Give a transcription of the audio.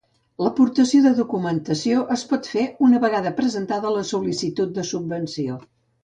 L'aportació de documentació es pot fer una vegada presentada la sol·licitud de subvenció.